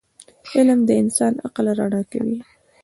علم د انسان عقل رڼا کوي.